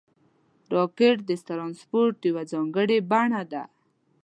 راکټ د ترانسپورټ یوه ځانګړې بڼه ده